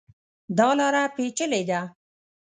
دا لاره پېچلې ده.